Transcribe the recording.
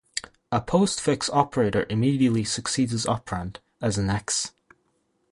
A postfix operator immediately succeeds its operand, as in x!